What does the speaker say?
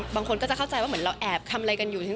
บางคนก็จะเข้าใจว่าเหมือนเราแอบทำอะไรกันอยู่